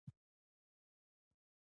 غوماشې د ځینو ناروغیو سبب ګرځي.